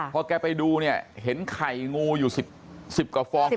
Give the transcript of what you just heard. พอแกไปดูเนี่ยเห็นไข่งูอยู่๑๐กว่าฟอง